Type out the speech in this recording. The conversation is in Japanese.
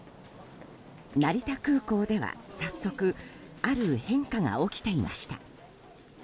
成田空港では早速ある変化が起きていました。